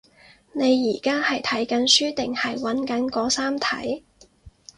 你而家係睇緊書定係揾緊嗰三題？